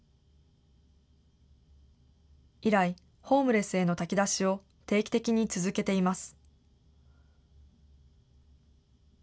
以来、ホームレスへの炊き出しを定期的に続けています。